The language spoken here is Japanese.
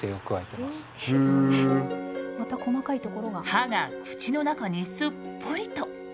歯が口の中にすっぽりと。